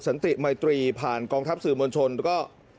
ที่ตึกสนติใหม่ตรีผ่านกองทัพสื่อมวลชนก็